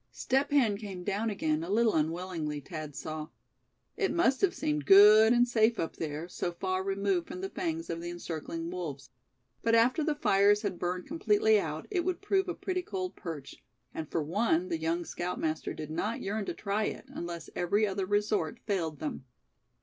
Step Hen came down again a little unwillingly, Thad saw. It must have seemed good and safe up there, so far removed from the fangs of the encircling wolves; but after the fires had burned completely out, it would prove a pretty cold perch; and for one the young scoutmaster did not yearn to try it, unless every other resort failed them.